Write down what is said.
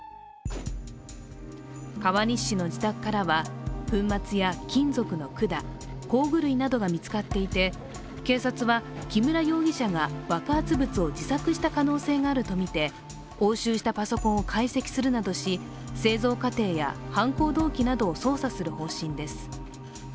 川西市の自宅からは、粉末や金属の管、工具類などが見つかっていて、警察は木村容疑者が爆発物を自作した可能性があるとみて、押収したパソコンを解析するなどし製造過程や犯行動機などを捜査する方針です。